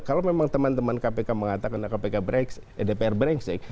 kalau memang teman teman kpk mengatakan kpk dpr brengsek